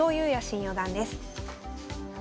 新四段です。